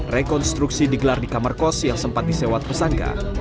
rekonstruksi digelar di kamar kos yang sempat disewat pesangka